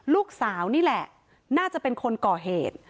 ลูกสาวนี่แหละน่าจะเป็นคนก่อเหตุ